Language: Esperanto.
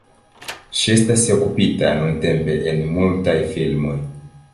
Ŝi estas okupita nuntempe en multaj filmoj.